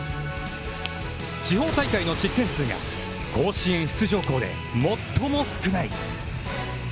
地方大会の失点数が甲子園出場校で最も少ない。